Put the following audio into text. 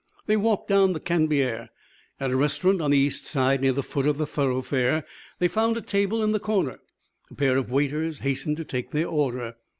They walked down the Cannebière. At a restaurant on the east side near the foot of the thoroughfare they found a table in the corner. A pair of waiters hastened to take their order.